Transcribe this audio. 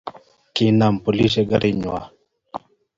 Kinam polisiek karit ng'wany